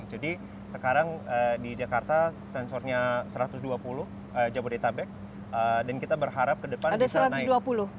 sekarang di jakarta sensornya satu ratus dua puluh jabodetabek dan kita berharap ke depan bisa naik